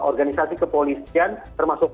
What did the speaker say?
organisasi kepolisian termasuk